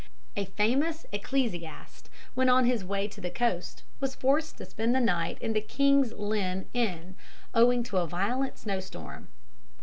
A famous ecclesiast, when on his way to the coast, was forced to spend the night in the King's Lynn Inn, owing to a violent snowstorm.